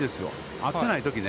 合ってないときね。